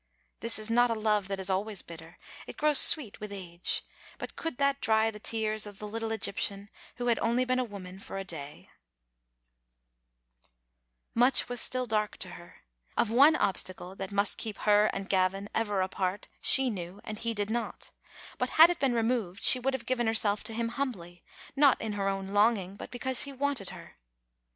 This is not a love that is always bitter. It grows sweet with age. But could that dry the tears of the little Egyptian, who had only been a woman for a day? Digitized by VjOOQ IC 312 Vbc Xittle Osinietct. Much was still dark to her. Of one obstacle that must keep her and Gavin ever apart she knew, and he did not ; but had it been removed she would have given herself to him humbly, not in her own longing, but be cause he wanted her.